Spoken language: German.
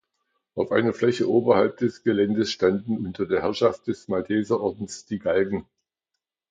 Auf einer Fläche oberhalb des Geländes standen unter der Herrschaft des Malteserordens die Galgen.